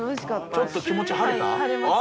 ちょっと気持ち晴れた？